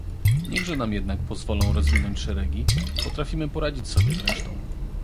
"Niechże nam jednak pozwolą rozwinąć szeregi, potrafimy poradzić sobie z resztą!"